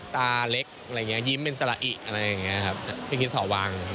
ตราเล็กอะไรอย่างงี้ยิ้มเป็นสละอี่พี่กิศออกวาง